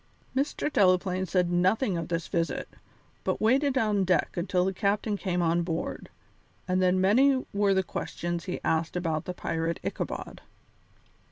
Mr. Delaplaine said nothing of this visit, but waited on deck until the captain came on board, and then many were the questions he asked about the pirate Ichabod.